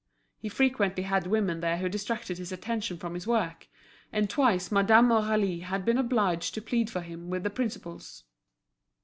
He frequently had women there who distracted his attention from his work; and twice Madame Aurélie had been obliged to plead for him with the principals.